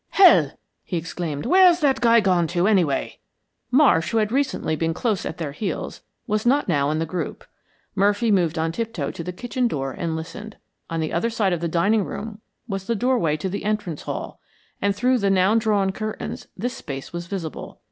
"Hell!" he exclaimed. "Where's that guy gone to, anyway?" Marsh, who had recently been close at their heels, was not now in the group. Murphy moved on tiptoe to the kitchen door and listened. On the other side of the dining room was the doorway to the entrance hall, and through the now drawn curtains this space was visible.